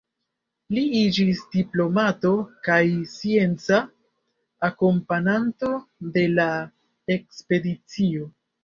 Li iĝis diplomato kaj scienca akompananto de la ekspedicio.